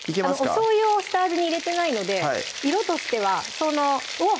しょうゆを下味に入れてないので色としてはおっ！